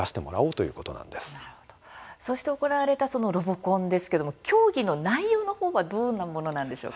そして行われたそのロボコンですけども競技の内容の方はどんなものなんでしょう。